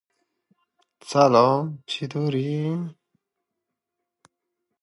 په افغانستان کې کابل سیند د ژوند په کیفیت تاثیر کوي.